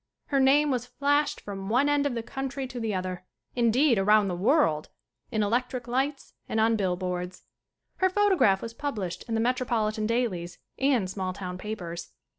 Her name was flashed from one end of the country to the other, indeed, around the world, in electric lights and on bill boards. Her photograph was published in the metro politan dailies and small town papers.